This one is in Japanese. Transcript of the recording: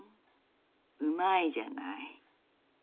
上手いじゃない。